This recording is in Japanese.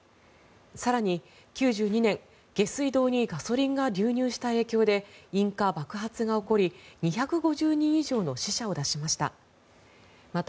更に１９９２年、下水道にガソリンが流入した影響で引火・爆発が起こり２５０人以上の死者を出しました。